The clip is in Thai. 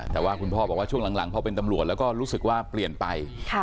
แต่ว่าคุณพ่อบอกว่าช่วงหลังพอเป็นตำรวจแล้วก็รู้สึกว่าเปลี่ยนไป